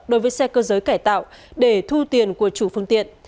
đối với xe cơ giới cải tạo để thu tiền của chủ phương tiện